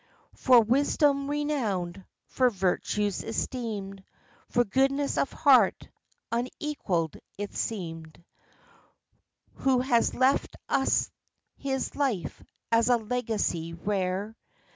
For wisdom renowned, for virtues esteemed, For goodness of heart unequalled, it seemed, — Who has left us his life as a legacy rare.